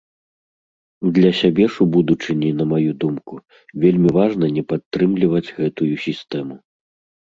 Для сябе ж у будучыні, на маю думку, вельмі важна не падтрымліваць гэтую сістэму.